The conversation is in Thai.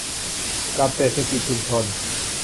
กับเศรษฐกิจชุมชน